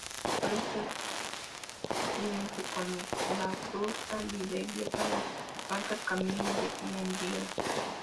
Por el este el límite con Miracruza-Bidebieta lo marca el camino de Mendiola.